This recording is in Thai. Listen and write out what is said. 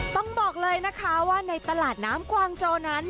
ต้องบอกเลยนะคะว่าในตลาดน้ำกวางโจนั้น